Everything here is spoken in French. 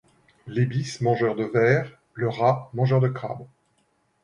L’ibis mangeur de vers ; le rat mangeur de crabes ;